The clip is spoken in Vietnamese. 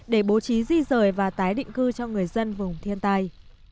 để bố trí di rời và tái định cư cho người dân vùng thiên tai